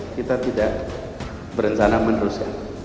kita tidak berencana meneruskan